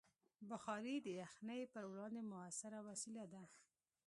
بخاري د یخنۍ پر وړاندې مؤثره وسیله ده.